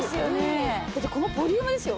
だってこのボリュームですよ。